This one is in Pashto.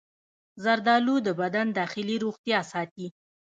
زردآلو د بدن داخلي روغتیا ساتي.